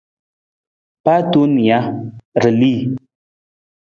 Paa tong nija, ra li.